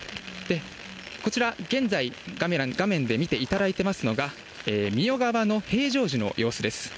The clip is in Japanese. こちら、現在、画面で見ていただいていますのは、三代川の平常時の様子です。